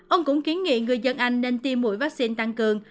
ông cũng kiến nghị người dân anh nên tiêm mũi vaccine tăng cường